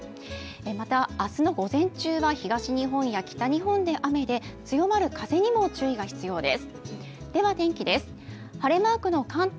また、明日の午前中は東日本や北日本で雨で強まる風にも注意が必要です。